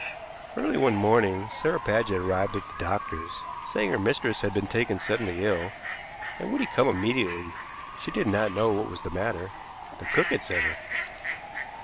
Early one morning Sarah Paget arrived at the doctor's, saying her mistress had been taken suddenly ill, and would he come immediately. She did not know what was the matter. The cook had sent her.